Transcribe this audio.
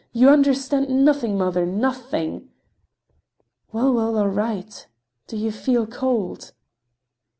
You understand nothing, mother! Nothing!" "Well—well—all right! Do you feel—cold?"